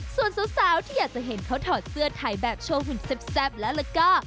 ส่วนสาวที่อยากจะเห็นเขาถอดเสื้อถ่ายแบบโชว์หุ่นแซ่บแล้วก็